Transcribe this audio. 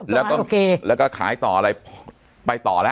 แล้วก็ขายต่ออะไรไปต่อแล้ว